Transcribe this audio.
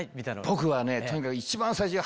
僕はとにかく一番最初が。